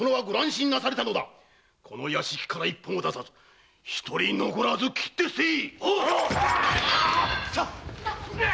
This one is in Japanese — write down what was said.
この屋敷から一歩も出さず一人残らず斬って捨てい！